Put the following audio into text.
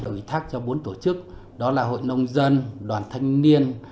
ủy thác cho bốn tổ chức đó là hội nông dân đoàn thanh niên